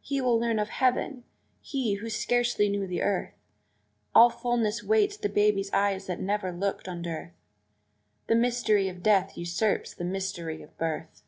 he will learn of heaven he, who scarcely knew the earth. All fullness waits the baby eyes that never looked on dearth The mystery of death usurps the mystery of birth!